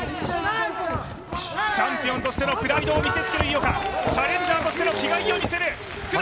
チャンピオンとしてのプライドを見せつける井岡、チャレンジャーとしての気概を見せる福永。